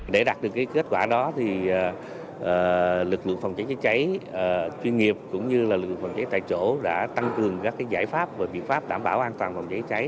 để đạt được kết quả đó thì lực lượng phòng cháy chữa cháy chuyên nghiệp cũng như lực lượng phòng cháy tại chỗ đã tăng cường các giải pháp và biện pháp đảm bảo an toàn phòng cháy cháy